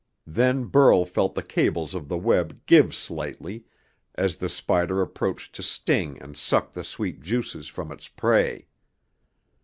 Then Burl felt the cables of the web give slightly, as the spider approached to sting and suck the sweet juices from its prey.